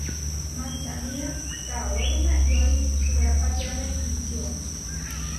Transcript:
Mansanía kawéruma iʼyói turapatiáme ičió.